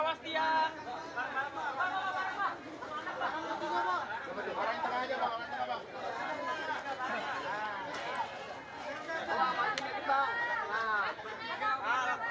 pak di tengah tengah aja pak